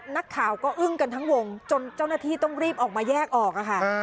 นักข่าวก็อึ้งกันทั้งวงจนเจ้าหน้าที่ต้องรีบออกมาแยกออกค่ะ